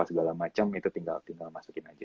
segala macam itu tinggal masukin aja